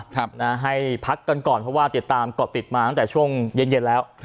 ให้พักกันก่อนเพราะว่าติดตามเกาะติดมาตั้งแต่ช่วงเย็นแล้ว